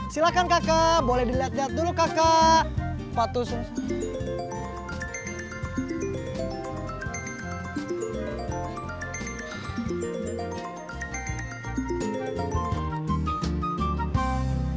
silakan kakak boleh dilihat lihat dulu kakak